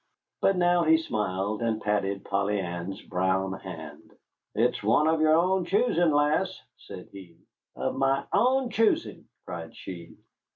But now he smiled, and patted Polly Ann's brown hand. "It's one of yer own choosing, lass," said he. "Of my own choosing!" cried she.